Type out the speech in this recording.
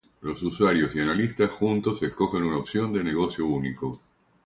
Los usuarios y analista juntos escogen una opción de negocio único.